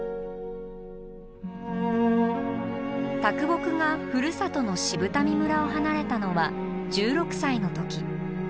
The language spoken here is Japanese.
啄木がふるさとの渋民村を離れたのは１６歳の時。